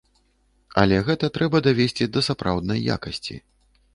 Але гэта трэба давесці да сапраўднай якасці.